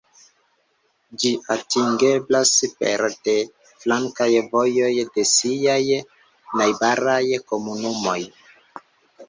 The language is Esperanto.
Ĝi atingeblas pere de flankaj vojoj de siaj najbaraj komunumoj.